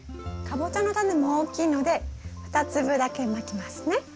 カボチャのタネも大きいので２粒だけまきますね。